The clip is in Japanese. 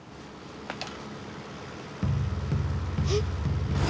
えっ。